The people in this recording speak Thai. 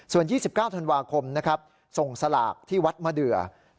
ส่วน๒๙ธันวาคมส่งสลากที่วัดมะเดือ